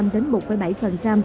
năm đến một bảy